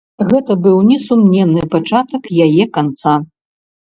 Гэта быў несумненны пачатак яе канца.